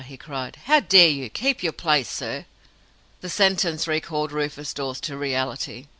he cried. "Do you dare! Keep your place, sir!" The sentence recalled Rufus Dawes to reality.